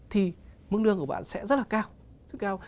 thì mức lương của bạn sẽ rất là cao rất cao